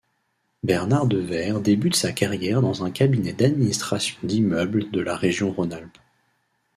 Bernard Devert débute sa carrière dans un cabinet d’administration d’immeubles de la région Rhône-Alpes.